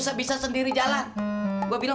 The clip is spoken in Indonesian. ntar kita janjiin nih sayangnya